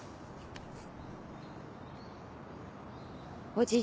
おじい